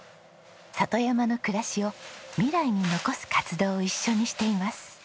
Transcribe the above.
里山の暮らしを未来に残す活動を一緒にしています。